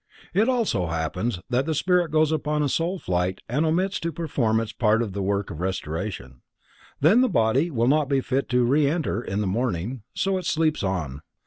It also happens that the spirit goes upon a soul flight and omits to perform its part of the work of restoration, then the body will not be fit to re enter in the morning, so it sleeps on.